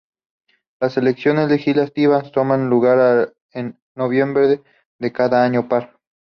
Las elecciones legislativas toman lugar en noviembre de cada año par.